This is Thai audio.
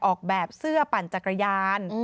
ออกแบบเสื้อปั่นจักรยาน